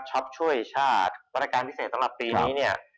ชอปช่วยชาติวันการพิเศษตำรับปีนี้